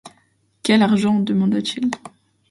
Quel argent ? demanda-t-il.